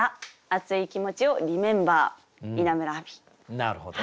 なるほど。